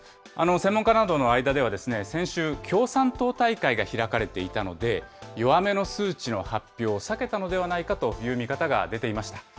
専門家などの間では、先週、共産党大会が開かれていたので、弱めの数値の発表を避けたのではないかという見方が出ていました。